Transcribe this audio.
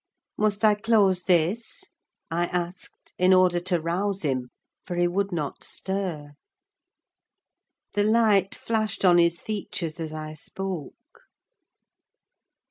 "Must I close this?" I asked, in order to rouse him; for he would not stir. The light flashed on his features as I spoke.